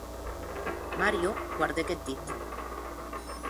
Mario guardèc eth dit.